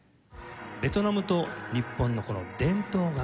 ベトナムと日本のこの伝統楽器。